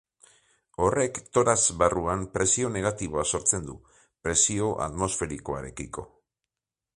Horrek torax barruan presio negatiboa sortzen du, presio atmosferikoarekiko.